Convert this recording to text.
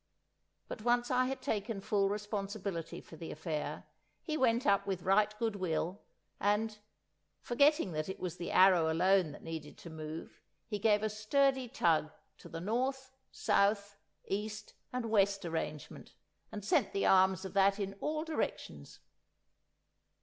But once I had taken full responsibility for the affair, he went up with right goodwill, and—forgetting that it was the arrow alone that needed to move—he gave a sturdy tug to the north, south, east, and west arrangement, and sent the arms of that in all directions.